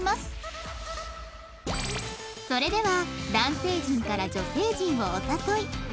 それでは男性陣から女性陣をお誘い